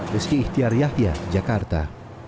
beski ihtiar yahya jakarta